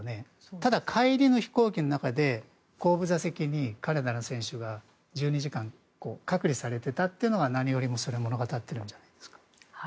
ただ、帰りの飛行機の中で後部座席にカナダの選手は１２時間隔離されていたというのがそれを物語っています。